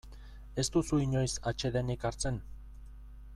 Ez duzu inoiz atsedenik hartzen?